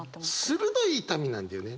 「鋭い痛み」なんだよね。